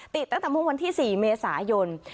ติดตั้งแต่วันที่๔เมษายน